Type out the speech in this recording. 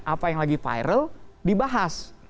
apa yang lagi viral dibahas